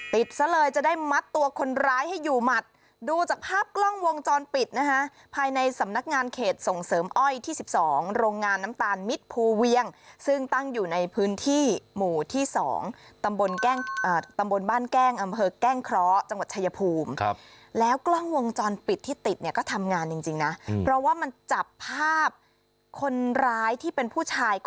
ซะเลยจะได้มัดตัวคนร้ายให้อยู่หมัดดูจากภาพกล้องวงจรปิดนะคะภายในสำนักงานเขตส่งเสริมอ้อยที่๑๒โรงงานน้ำตาลมิตรภูเวียงซึ่งตั้งอยู่ในพื้นที่หมู่ที่๒ตำบลตำบลบ้านแก้งอำเภอแก้งเคราะห์จังหวัดชายภูมิครับแล้วกล้องวงจรปิดที่ติดเนี่ยก็ทำงานจริงจริงนะเพราะว่ามันจับภาพคนร้ายที่เป็นผู้ชายก